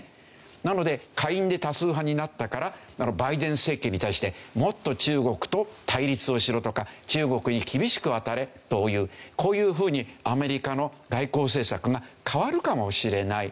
なので下院で多数派になったからバイデン政権に対してもっと中国と対立をしろとか中国に厳しく当たれというこういうふうにアメリカの外交政策が変わるかもしれない。